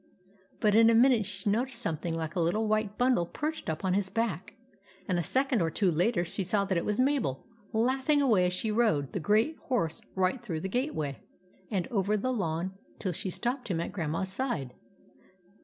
But in a minute she noticed something like a little white bundle perched up on his back, and a second or two later she saw that it was Mabel, laughing away as she rode the great horse right through the gateway and over the lawn till she stopped him at Gandma's side.